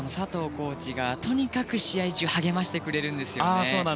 コーチがとにかく試合中励ましてくれるんですよね。